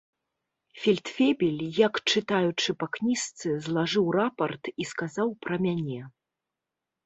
Фельдфебель, як чытаючы па кніжцы, злажыў рапарт і сказаў пра мяне.